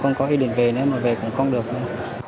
không có quy định về nữa mà về cũng không được nữa